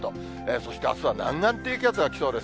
そしてあすは南岸低気圧が来そうです。